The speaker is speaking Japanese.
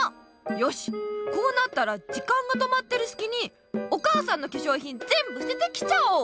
よしこうなったら時間が止まってるすきにお母さんのけしょうひんぜんぶすててきちゃおう！